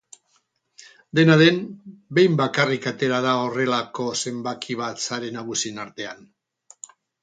Dena den, behin bakarrik atera da horrelako zenbaki bat sari nagusien artean.